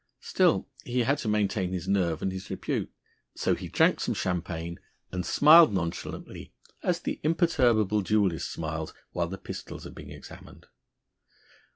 Still he had to maintain his nerve and his repute. So he drank some champagne, and smiled nonchalantly as the imperturbable duellist smiles while the pistols are being examined.